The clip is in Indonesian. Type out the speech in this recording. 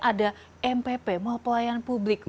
ada mpp mall pelayanan publik